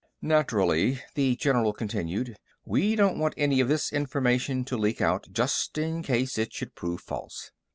"Naturally," the general continued, "we don't want any of this information to leak out, just in case it should prove false.